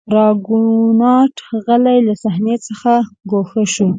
راګونات غلی له صحنې څخه ګوښه شو.